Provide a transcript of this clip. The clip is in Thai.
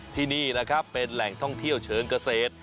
ที่นี่เป็นแหล่งท่องเที่ยวเฉินเกษตร